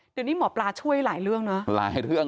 เดี๋ยวนี้หมอปลาช่วยหลายเรื่องนะ